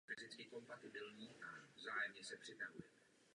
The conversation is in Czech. Film získal cenu Zlatý medvěd na filmovém festivalu v Berlíně.